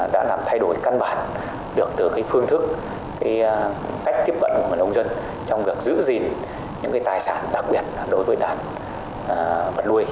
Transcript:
đã làm thay đổi căn bản được từ phương thức cách tiếp cận của người nông dân trong việc giữ gìn những tài sản đặc biệt là đối với đàn vật nuôi